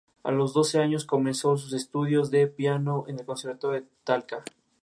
A los doce años comenzó sus estudios de piano en el conservatorio de Talca.